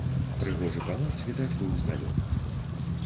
Прыгожы палац відаць быў здалёк.